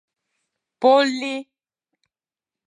— Полли...